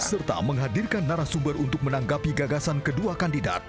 serta menghadirkan narasumber untuk menanggapi gagasan kedua kandidat